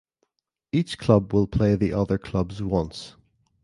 Each club will play the other clubs once.